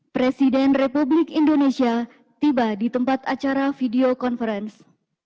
presiden republik indonesia tiba di tempat acara video conference